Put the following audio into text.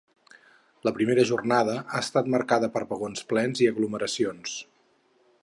La primera jornada ha estat marcada per vagons plens i aglomeracions.